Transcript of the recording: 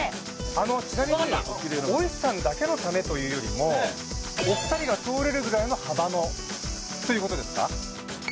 あのちなみにお石さんだけのためというよりもお二人が通れるぐらいの幅のということですか？